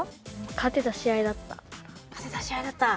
勝てた試合だった。